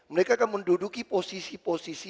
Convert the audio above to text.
mereka akan menduduki posisi posisi